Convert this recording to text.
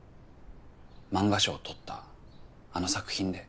漫画賞取ったあの作品で。